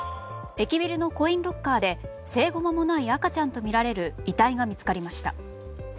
駅ビルのコインロッカーで生後まもない赤ちゃんとみられる遺体が見つかりました。